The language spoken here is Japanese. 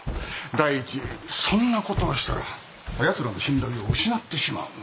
第一そんな事をしたらあ奴らの信頼を失ってしまう。